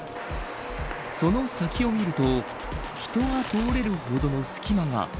その先を見ると人が通れるほどの隙間が。